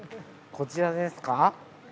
こちらですか？